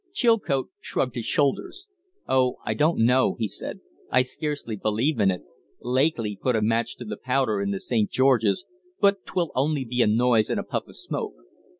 Chilcote shrugged his shoulders. "Oh, I don't know," he said. "I scarcely believe in it. Lakely put a match to the powder in the 'St. George's', but 'twill only be a noise and a puff of smoke."